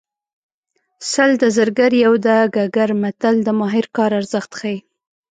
سل د زرګر یو د ګګر متل د ماهر کار ارزښت ښيي